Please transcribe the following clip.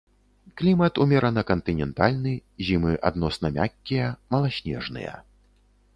Клімат умерана кантынентальны, зімы адносна мяккія, маласнежныя.